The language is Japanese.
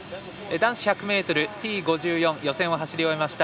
男子１００ｍＴ５４予選を走り終えました